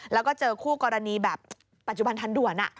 แล้วก็เจอคู่กรณีแบบปัจจุบันทันด่วน